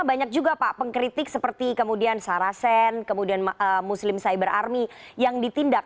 banyak juga pak pengkritik seperti kemudian sarasen kemudian muslim cyber army yang ditindak